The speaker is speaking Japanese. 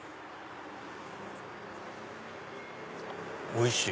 おいしい！